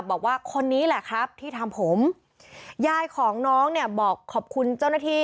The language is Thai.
บอกว่าคนนี้แหละครับที่ทำผมยายของน้องเนี่ยบอกขอบคุณเจ้าหน้าที่